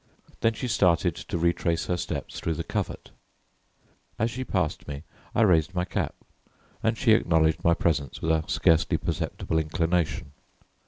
Then she started to retrace her steps through the covert As she passed me I raised my cap and she acknowledged my presence with a scarcely perceptible inclination.